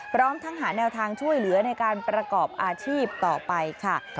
พร้อมทั้งหาแนวทางช่วยเหลือในการประกอบอาชีพต่อไปค่ะ